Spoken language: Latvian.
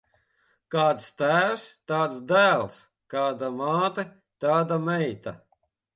Kāds tēvs, tāds dēls; kāda māte, tāda meita.